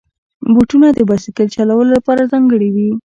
بوټونه د بایسکل چلولو لپاره ځانګړي وي.